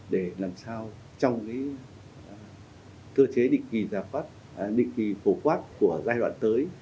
để làm sao trong cái tư chế định kỳ phổ quát của giai đoạn tới